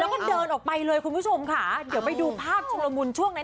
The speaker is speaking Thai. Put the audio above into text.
ไม่ความถาม